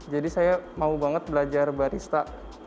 jadi saya mau banget belajar barista